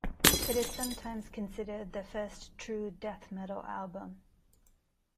It is sometimes considered the first true death metal album.